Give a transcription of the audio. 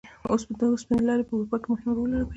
اوس د اوسپنې لارې په اروپا کې مهم رول لوبوي.